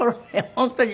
本当に。